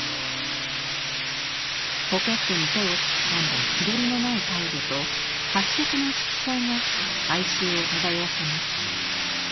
ポケットに手を突っ込んだ気取りのない態度と褐色の色彩が哀愁を漂わせます。